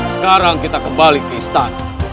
sekarang kita kembali ke istana